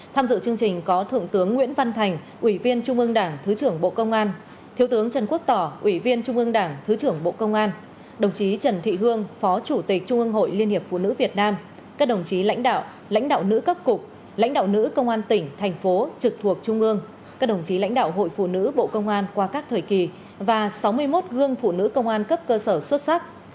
tham dự chương trình có thượng tướng nguyễn văn thành ủy viên trung ương đảng thứ trưởng bộ công an thiếu tướng trần quốc tỏ ủy viên trung ương đảng thứ trưởng bộ công an đồng chí trần thị hương phó chủ tịch trung ương hội liên hiệp phụ nữ việt nam các đồng chí lãnh đạo lãnh đạo nữ cấp cục lãnh đạo nữ công an tỉnh thành phố trực thuộc trung ương các đồng chí lãnh đạo hội phụ nữ bộ công an qua các thời kỳ và sáu mươi một gương phụ nữ công an cấp cơ sở xuất sắc